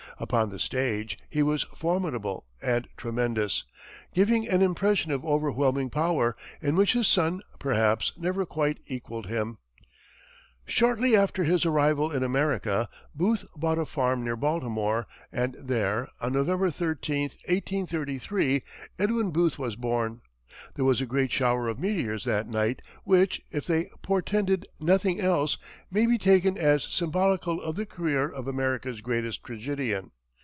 Upon the stage he was formidable and tremendous, giving an impression of overwhelming power, in which his son, perhaps, never quite equalled him. Shortly after his arrival in America, Booth bought a farm near Baltimore, and there, on November 13, 1833, Edwin Booth was born. There was a great shower of meteors that night, which, if they portended nothing else, may be taken as symbolical of the career of America's greatest tragedian.